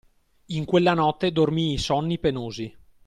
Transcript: In quella notte dormii sonni penosi.